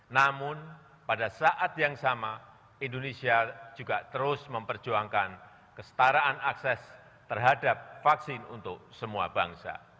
namun pada saat yang sama indonesia juga terus memperjuangkan kestaraan akses terhadap vaksin untuk semua bangsa